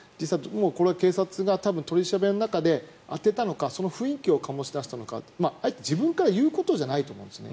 これは警察が、多分取り調べの中で当てたのかその雰囲気を醸し出したのかあえて自分から言うことじゃないと思うんですね。